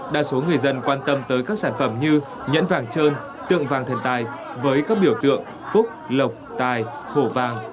đa số người dân quan tâm tới các sản phẩm như nhẫn vàng trơn tượng vàng thần tài với các biểu tượng phúc lộc tài khổ vàng